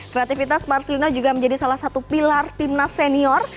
kreativitas marcelina juga menjadi salah satu pilar timnas senior